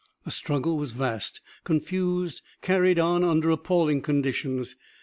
The struggle was vast, confused, carried on under appalling conditions.